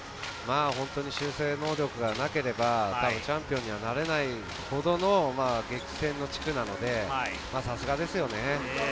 修正能力がなければチャンピオンにはなれないほどの激戦の地区なので、さすがですよね。